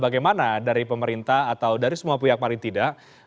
bagaimana dari pemerintah atau dari semua pihak paling tidak